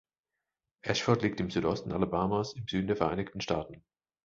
Ashford liegt im Südosten Alabamas im Süden der Vereinigten Staaten.